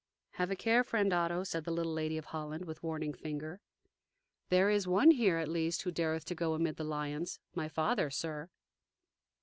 "Have a care, friend Otto," said the little Lady of Holland, with warning finger; "there is one here, at least, who dareth to go amid the lions my father, sir."